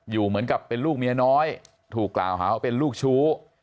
เหมือนกับเป็นลูกเมียน้อยถูกกล่าวหาว่าเป็นลูกชู้